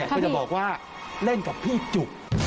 ก็จะบอกว่าเล่นกับพี่จุก